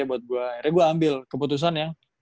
buat gue akhirnya gue ambil keputusan ya